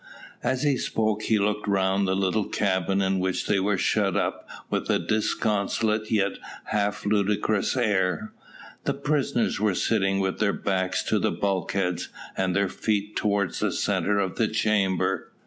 As he spoke he looked round the little cabin in which they were shut up with a disconsolate yet half ludicrous air. The prisoners were sitting with their backs to the bulkheads, and their feet towards the centre of the chamber.